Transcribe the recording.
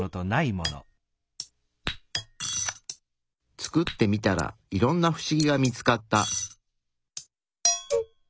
作ってみたらいろんなフシギが見つかった。